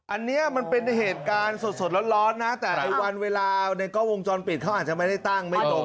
อันนี้มันเป็นเหตุการณ์สดร้อนนะแต่ในวันเวลาในกล้องวงจรปิดเขาอาจจะไม่ได้ตั้งไม่ได้ดู